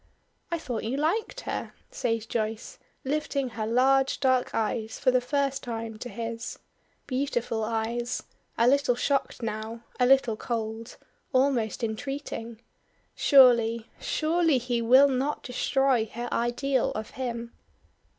"I thought you liked her," says Joyce, lifting her large dark eyes for the first time to his. Beautiful eyes! a little shocked now a little cold almost entreating. Surely, surely, he will not destroy her ideal of him.